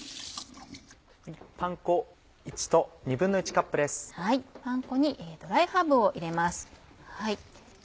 パン粉にドライハーブを入れます。